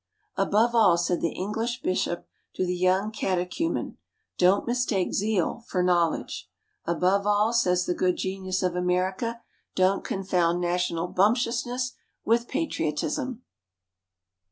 "Above all," said the English bishop to the young catechumen, "don't mistake zeal for knowledge." Above all, says the good genius of America, don't confound national bumptiousness with patriotism.